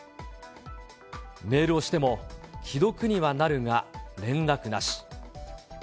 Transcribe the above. メールをしても、既読にはなるが連絡なし。